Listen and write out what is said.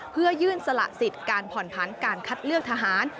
เพื่อยื่นสละสิทธิ์การผ่อนผันการคัดเลือกทหาร